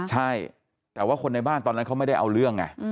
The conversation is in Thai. ใช่แต่ว่าคนในบ้านตอนนั้นเขาไม่ได้เอาเรื่องไง